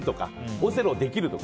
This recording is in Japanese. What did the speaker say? オセロできるとか。